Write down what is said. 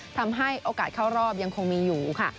ทำให้โอกาสเข้ารอบยังคงมีอยู่ค่ะ